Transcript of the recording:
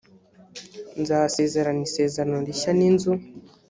nzasezerana isezerano rishya n inzu